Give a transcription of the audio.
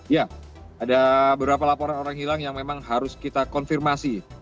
ya ada beberapa laporan orang hilang yang memang harus kita konfirmasi